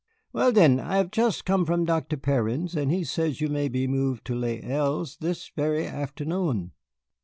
Well, then, I have just come from Dr. Perrin's, and he says you may be moved to Les Îles this very afternoon.